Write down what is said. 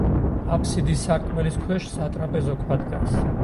აფსიდის სარკმლის ქვეშ სატრაპეზო ქვა დგას.